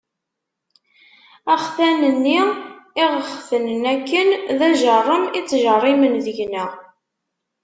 Axtan-nni i ɣ-xetnen akken, d ajerrem i ttjerrimen deg-neɣ.